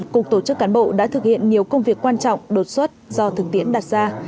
cục tổ chức cán bộ đã thực hiện nhiều công việc quan trọng đột xuất do thực tiễn đặt ra